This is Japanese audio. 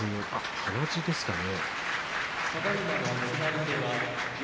鼻血ですかね。